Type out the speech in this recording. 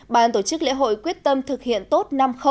ban tổ chức lễ hội quyết tâm thực hiện tốt năm